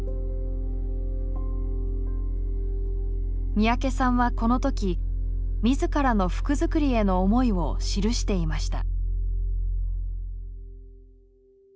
三宅さんはこのとき自らの服づくりへの思いを記していました。